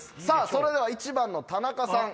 それでは１番の田中さん